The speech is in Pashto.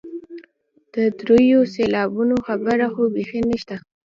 د دریو سېلابونو خبره خو بیخي نشته.